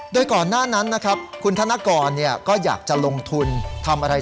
โดยก่อนหน้านั้นนะครับคุณธนกรเนี่ยก็อยากจะลงทุนทำอะไรสักอย่าง